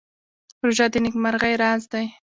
روژه د نېکمرغۍ راز دی.